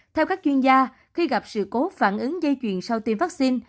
theo các chuyên gia khi gặp sự cố phản ứng dây chuyền sau tiêm vaccine